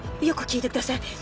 よく聞いてください。